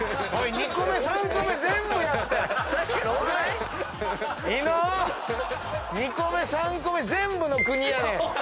２個目３個目全部の国やねん。